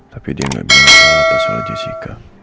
tapi dia gak bilang apa apa soal jessica